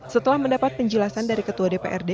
setelah mendapat penjelasan dari ketua dprd